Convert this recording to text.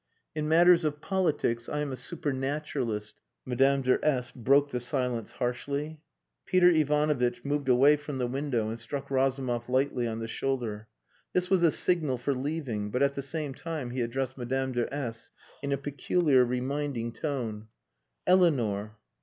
"In matters of politics I am a supernaturalist." Madame de S broke the silence harshly. Peter Ivanovitch moved away from the window and struck Razumov lightly on the shoulder. This was a signal for leaving, but at the same time he addressed Madame de S in a peculiar reminding tone "Eleanor!"